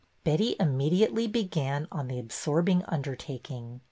Betty immediately began on the absorbing undertaking.